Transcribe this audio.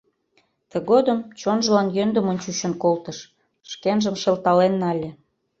Тыгодым чонжылан йӧндымын чучын колтыш, шкенжым шылтален нале.